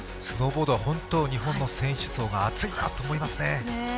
スノーボードは本当に日本の選手層が厚いと思いますね。